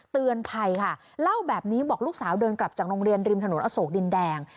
เตือนภัยค่ะเล่าแบบนี้บอกลูกสาวเดินกลับจากโรงเรียนริมถนนอโศกดินแดง